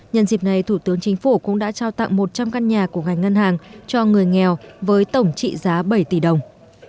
nhân dịp này thủ tướng chính phủ cũng đã trao tặng một trăm linh căn nhà của ngành ngân hàng cho người nghèo với tổng trị giá bảy tỷ đồng